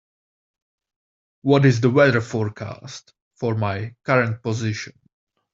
What is the weather forecast for my current position